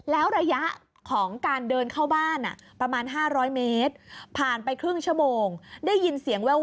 แล้วระยะของการเดินเข้าบ้าน